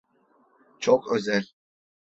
Çok özel.